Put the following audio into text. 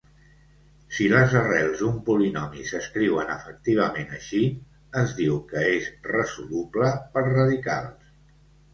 Si les arrels d'un polinomi s'escriuen efectivament així, es diu que és resoluble per radicals.